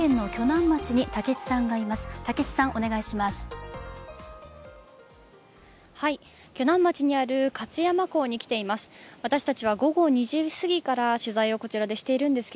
鋸南町にある勝山港に来ています。